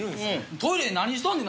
トイレで何しとんねんな？